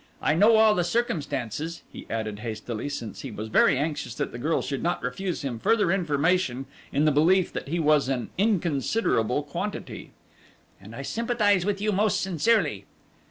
I know all the circumstances," he added hastily, since he was very anxious that the girl should not refuse him further information in the belief that he was an inconsiderable quantity, "and I sympathize with you most sincerely."